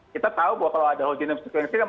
kita tahu bahwa kalau ada whole genome sequencing